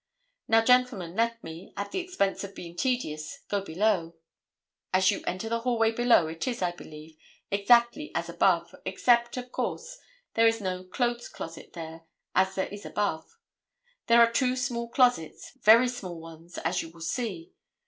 Now, gentlemen, let me, at the expense of being tedious, go below. As you enter the hallway below, it is, I believe, exactly as above, except, of course, there is no clothes closet there as there is above. There are two small closets, very small ones, as you will see.